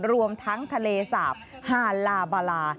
รวมทั้งทะเลสาบฮาลาบาลา